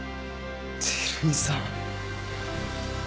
照井さん。